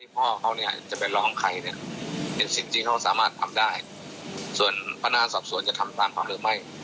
เพราะซับส่วนฐานภารณ์สอบส่วนจะทำตามความเลือกให้